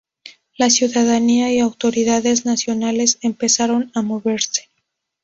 La ciudadanía y autoridades nacionales empezaron a moverse.